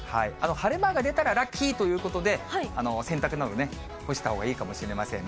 晴れ間が出たら、ラッキーということで、洗濯などね、干したほうがいいかもしれません。